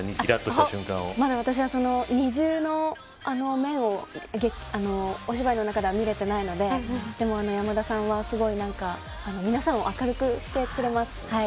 まだ私はその二重の面をお芝居の中で見れてないのででも、山田さんは、すごいなんか皆さんを明るくしてくれます。